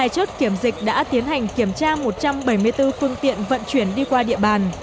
hai chốt kiểm dịch đã tiến hành kiểm tra một trăm bảy mươi bốn phương tiện vận chuyển đi qua địa bàn